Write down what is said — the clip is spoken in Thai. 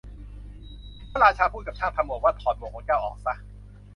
พระราชาพูดกับช่างทำหมวกว่า ถอดหมวกของเจ้าออกซะ !